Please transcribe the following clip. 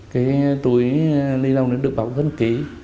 cái túi lý lông nó được báo gân ký